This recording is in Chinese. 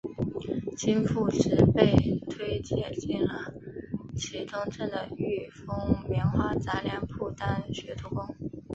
经父执辈推介进了启东镇的裕丰棉花杂粮铺当学徒工。